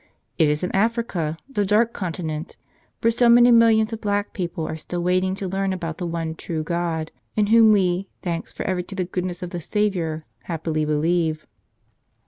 It is in Africa, the Dark Continent, where so #many millions of black people are still waiting * to learn about the one true God in Whom we, thanks forever to the goodness of the Savior, happily believe.